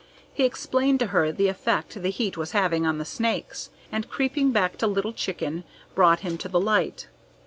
He explained to her the effect the heat was having on the snakes, and creeping back to Little Chicken, brought him to the light.